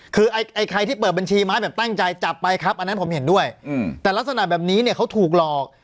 คือไอ้ใครที่เปิดบัญชีไม้แบบตั้งใจจับไปครับอันนั้นผมเห็นด้วยแต่ลักษณะแบบนี้เนี่ยเขาถูกหลอก